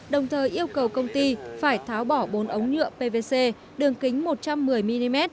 đồng thời yêu cầu công ty phải tháo bỏ bốn ống nhựa pvc đường kính một trăm một mươi mm